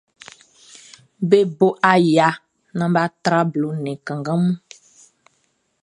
Be bo aya naan bʼa tra blo nnɛn kanngan mun.